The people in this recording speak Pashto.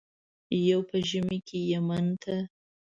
یو په ژمي کې یمن ته.